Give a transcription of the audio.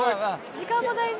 時間も大事？